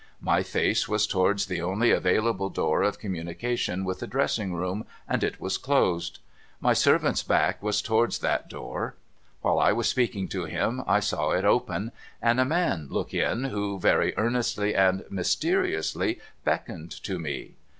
My face was towards the only available door of communication with the dressing room, and it was closed. My servant's back was towards that door. While I was speaking to him, I saw it open, and a man look in, who very earnestly and mysteriously beckoned to me.